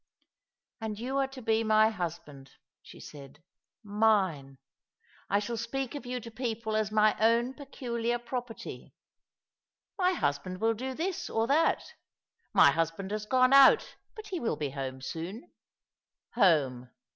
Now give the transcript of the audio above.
*' And you are to be my husband," she said. " Mine ! I shall speak of you to people as my own peculiar property. * My husband will do this or that.' ' My husband has gone out, but he will be home soon.' Home.